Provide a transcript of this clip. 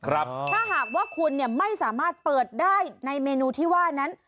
ถ้าหากว่าคุณไม่สามารถเปิดได้ในเมนูที่ว่านั้น